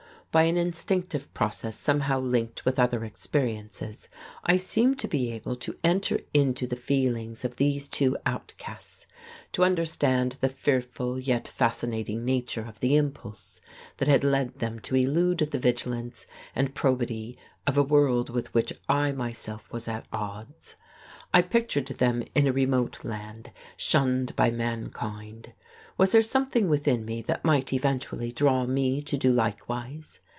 By an instinctive process somehow linked with other experiences, I seemed to be able to enter into the feelings of these two outcasts, to understand the fearful yet fascinating nature of the impulse that had led them to elude the vigilance and probity of a world with which I myself was at odds. I pictured them in a remote land, shunned by mankind. Was there something within me that might eventually draw me to do likewise?